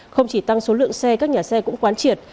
không chỉ tăng số lượng xe các nhà xe cũng quán triệt